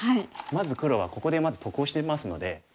まず黒はここで得をしてますので。